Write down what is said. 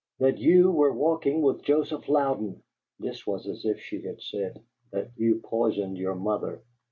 "That you were walking with Joseph Louden!" (This was as if she had said, "That you poisoned your mother.")